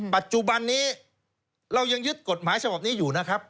ปัจจุบันนี้เรายังยึดกฎหมายฉบับนี้อยู่นะครับ